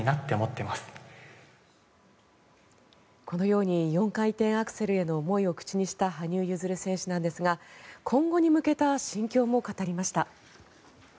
このように４回転アクセルへの思いを口にした羽生結弦選手なんですが今後に向けた心境も語りました。